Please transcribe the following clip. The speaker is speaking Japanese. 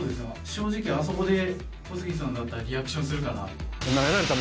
正直、あそこで小杉さんがリアクションするかなって。